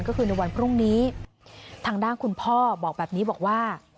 ก็คือในวันพรุ่งนี้ทางด้านคุณพ่อบอกแบบนี้บอกว่า